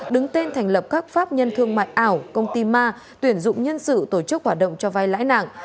đứng tên thành lập các pháp nhân thương mại ảo công ty ma tuyển dụng nhân sự tổ chức hoạt động cho vai lãi nặng